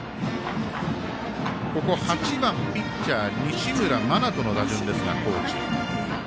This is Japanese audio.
８番ピッチャー西村真人の打順ですが、高知。